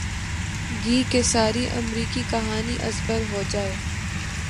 گی کہ ساری امریکی کہانی از بر ہو جائے۔